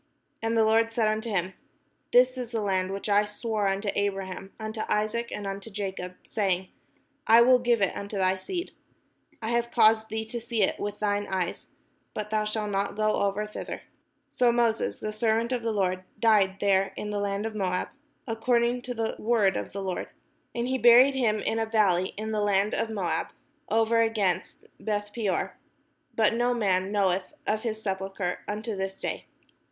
And the Lord said unto him : "This is the land which I sware unto Abraham, unto Isaac, and unto Jacob, saying, I will give it unto thy seed: I have caused thee to see it with thine eyes, but thou shalt not go over thither." So IVIoses the servant of the Lord died there in the land of Moab, according to the word of the Lord. And he buried him in a valley in the land of Moab, over against Beth peor : but no man knoweth of his sepulchre unto this day.